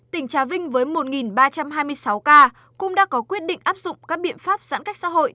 tỉnh trà vinh với một ba trăm hai mươi sáu ca cũng đã có quyết định áp dụng các biện pháp giãn cách xã hội